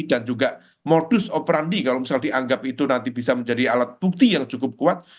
dan juga modus operandi kalau misal dianggap itu nanti bisa menjadi alat bukti yang cukup kuat